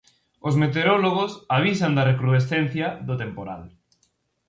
Os meteorólogos avisan da recrudescencia do temporal.